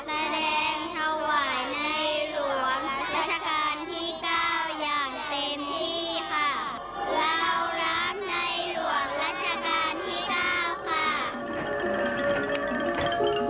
เรารักในหลวงรัชกาลที่๙ค่ะ